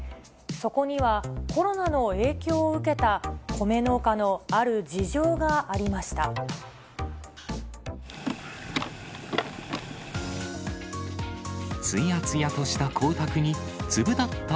そこには、コロナの影響を受けた米農家のある事情がありました。